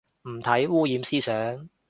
唔睇，污染思想